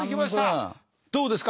どうですか？